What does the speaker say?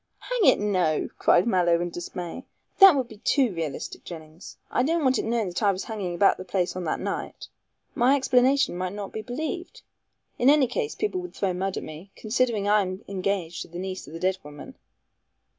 "Hang it, no!" cried Mallow in dismay, "that would be too realistic, Jennings. I don't want it known that I was hanging about the place on that night. My explanation might not be believed. In any case, people would throw mud at me, considering I am engaged to the niece of the dead woman."